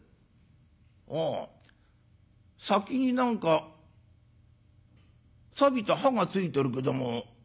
ああ先に何かさびた刃がついてるけども。